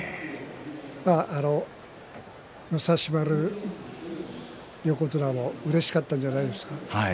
だから武蔵丸、横綱もうれしかったんじゃないですか。